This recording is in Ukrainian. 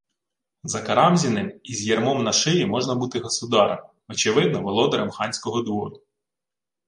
За Карамзіним, і з ярмом на шиї можна бути государем, – очевидно, володарем ханського двору